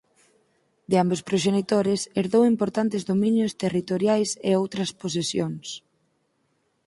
De ambos proxenitores herdou importantes dominios territoriais e outras posesións.